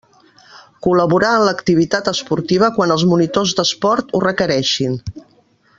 Col·laborar en l'activitat esportiva quan els monitors d'esports ho requereixin.